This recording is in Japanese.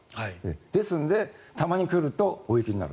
ですので、たまに来ると大雪になる。